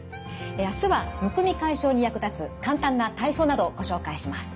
明日はむくみ解消に役立つ簡単な体操などをご紹介します。